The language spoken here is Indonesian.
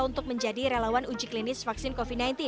untuk menjadi relawan uji klinis vaksin covid sembilan belas